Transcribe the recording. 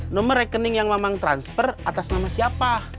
nomor rekening yang memang transfer atas nama siapa